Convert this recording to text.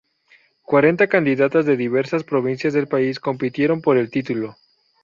Cuarenta candidatas de diversas provincias del país compitieron por el título.